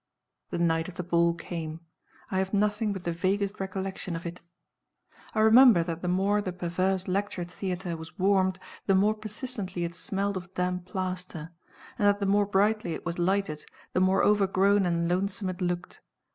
The night of the ball came. I have nothing but the vaguest recollection of it. I remember that the more the perverse lecture theater was warmed the more persistently it smelled of damp plaster; and that the more brightly it was lighted, the more overgrown and lonesome it looked.